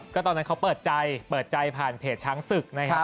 ก็ตอนนั้นเขาเปิดใจเปิดใจผ่านเพจช้างศึกนะครับ